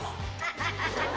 ハハハハ。